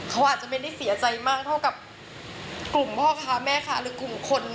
เขาอาจจะไม่ได้เสียใจมากเท่ากับกลุ่มพ่อค้าแม่ค้าหรือกลุ่มคน